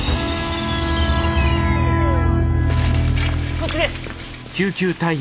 こっちです！